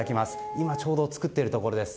今、ちょうど作っているところです。